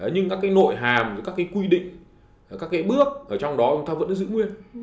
nhưng các cái nội hàm các cái quy định các cái bước ở trong đó chúng ta vẫn giữ nguyên